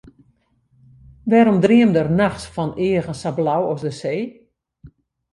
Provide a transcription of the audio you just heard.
Wêrom dreamde er nachts fan eagen sa blau as de see?